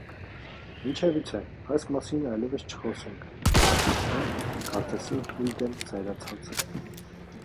- Ինչևիցե, այս մասին այլևս չխոսենք,- ասաց նա, կարծես ինքն իր դեմ զայրացած: